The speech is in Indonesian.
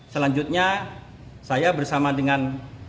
selanjutnya saya bersama dengan